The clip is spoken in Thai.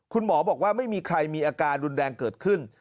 คุณหมอบอกว่าไม่มีใครมีอาการรุนแรงเกิดขึ้น